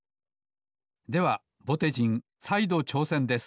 ではぼてじんさいどちょうせんです